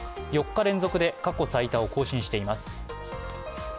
４日連続で過去最多を更新しています。